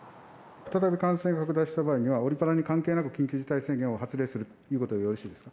再び感染が拡大した場合には、オリパラに関係なく、緊急事態宣言を発令するということでよろしいですか。